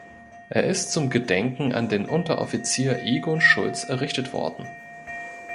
Er ist zum Gedenken an den Unteroffizier Egon Schultz errichtet worden.